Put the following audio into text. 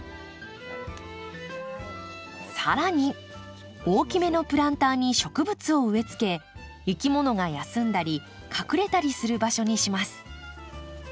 更に大きめのプランターに植物を植えつけいきものが休んだり隠れたりする場所にします。